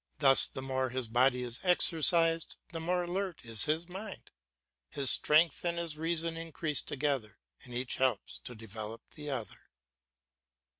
Thus the more his body is exercised, the more alert is his mind; his strength and his reason increase together, and each helps to develop the other.